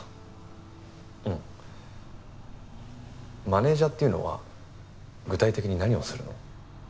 マネージャーっていうのは具体的に何をするの？